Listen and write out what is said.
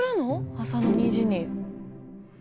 朝の２時に。